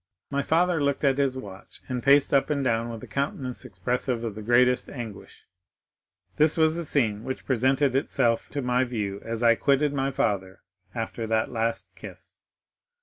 My father looked at his watch, and paced up and down with a countenance expressive of the greatest anguish. This was the scene which presented itself to my view as I quitted my father after that last kiss.